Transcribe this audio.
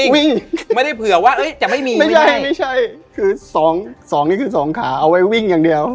อ๋อวิ่งไม่ได้เผื่อว่าจะไม่มีไม่ได้คือ๒นี่คือ๒ขาเอาไว้วิ่งอย่างเดียว